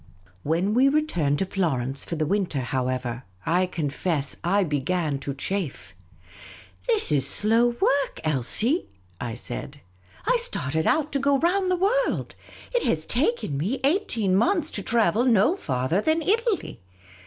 When we returned to Florence for the winter, however, I confess I began to chafe. " This is slow work, Elsie !" I said. " I started out to go round the world ; it has taken me eighteen months to travel no farther than Italy